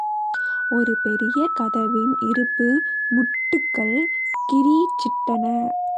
ஒரு பெரிய கதவின் இருப்பு முட்டுக்கள் கிரீச்சிட்டன.